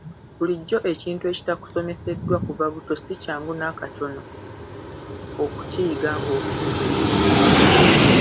Bulijjo ekintu ekitakusomeseddwa kuva buto si kyangu nakatono okukiyiga ng'okuze.